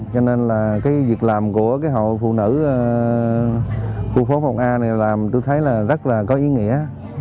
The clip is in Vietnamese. cho nên là cái việc làm của cái hội phụ nữ khu phố một a này làm tôi thấy là rất là có ý nghĩa